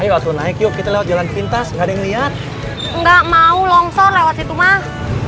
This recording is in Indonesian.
wechsel ikut jalan pintas easily ayo sudah mau longsor lewat ituition